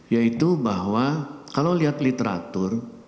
yaitu bahwa kalau lihat literatur